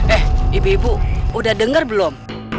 eh ibu ibu udah dengar belum